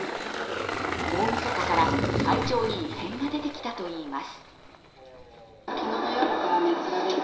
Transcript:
大みそかから体調に異変が出てきたといいます。